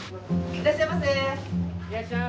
いらっしゃいませ。